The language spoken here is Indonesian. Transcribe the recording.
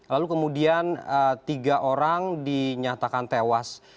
lalu kemudian tiga orang dinyatakan tewas